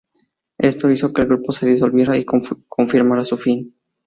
Esto hizo que el grupo se disolviera y confirmara su fin.